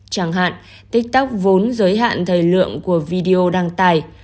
chẳng hạn tiktok vốn giới hạn thời lượng của video đăng tải